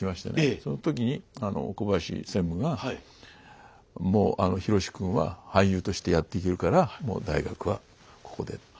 その時にあの小林専務がもうひろし君は俳優としてやっていけるからもう大学はここでって。